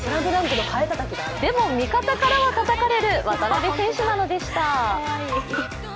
でも、味方からはたたかれる渡邊選手なのでした。